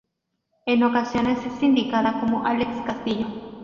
En ocasiones es indicada como "Alex Castillo".